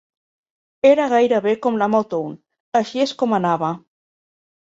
Era gairebé com la Motown, així és com anava.